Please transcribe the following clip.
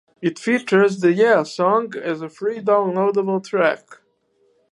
It features "The Yeah Song" as a free downloadable track.